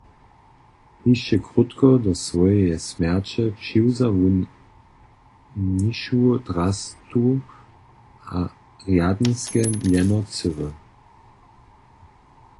Hišće krótko do swojeje smjerće přiwza wón mnišu drastu a rjadniske mjeno Cyril.